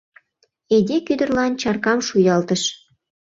— Эдик ӱдырлан чаркам шуялтыш.